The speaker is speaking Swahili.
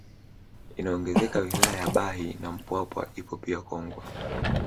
Inaongezeka wilaya ya Bahi na Mpwapwa ipo pia Kongwa